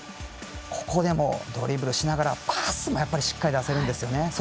ここでも、ドリブルしながらパスもしっかり出せるんです。